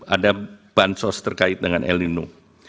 ada bansos terkait dengan el nino